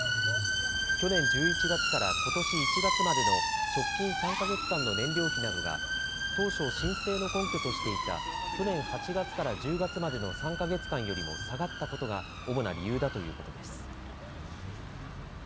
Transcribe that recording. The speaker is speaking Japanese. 去年１１月からことし１月までの直近３か月間の燃料費などが当初、申請の根拠としていた去年８月から１０月までの３か月間よりも下がったことが主な理由だということです。